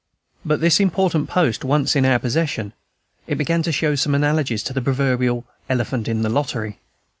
But this important post once in our possession, it began to show some analogies to the proverbial elephant in the lottery.